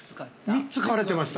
◆３つ買われてました。